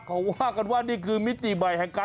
เขาว่ากันว่านี่คือมิติใหม่แห่งการ